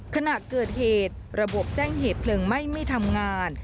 ขณะเกิดเหตุระบบแจ้งเหตุเพลิงไหม้ไม่ทำงาน